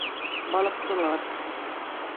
БАЛЫҠСЫЛАР